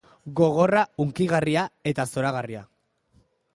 Gogorra, hunkigarria eta zoragarria.